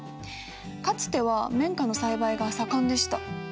かつては綿花の栽培が盛んでした。